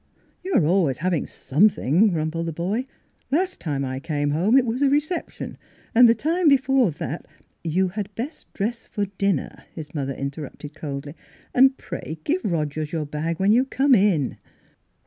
"" You're always having something," grumbled the boy. " Last time I came home it was a reception, and the time be fore that —"" You had best dress for dinner," his mother interrupted coldly, " and, pray, give Rogers your bag when you come in."